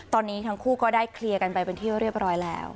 ตอนนี้ทั้งคู่ก็ได้เคลียร์กันไปเป็นที่เรียบร้อยแล้ว